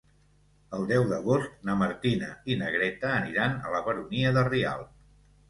El deu d'agost na Martina i na Greta aniran a la Baronia de Rialb.